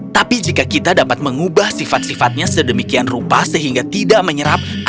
tapi jika kita dapat mengubah sifat sifatnya sedemikian rupa sehingga kita bisa mengubahnya